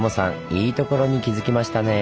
いいところに気付きましたね。